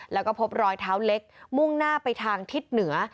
แล้วก็พบรอยเท้าเล็กมุ่งหน้าไปทางทิศเหนือ